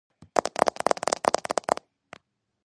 მის შემოქმედებაზე გავლენა დოსტოევსკიმ, იბსენმა და ნიცშემ იქონიეს.